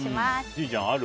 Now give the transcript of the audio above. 千里ちゃん、ある？